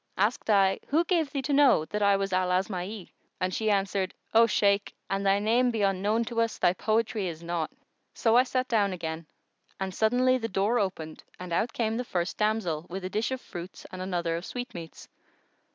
Asked I, 'Who gave thee to know that I was Al Asma'i?' and she answered, 'O Shaykh, an thy name be unknown to us, thy poetry is not!' So I sat down again and suddently the door opened and out came the first damsel, with a dish of fruits and another of sweetmeats.